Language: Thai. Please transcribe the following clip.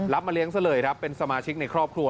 รับมาเลี้ยงเสล่ยเป็นสมาชิกในครอบครัว